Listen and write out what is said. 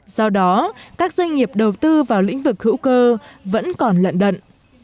do đó các doanh nghiệp đầu tư vào lĩnh vực hữu cơ vẫn còn lận đận